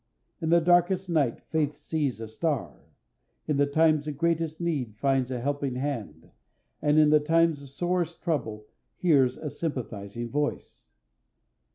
In the darkest night faith sees a star, in the times of greatest need finds a helping hand, and in the times of sorest trouble hears a sympathizing voice.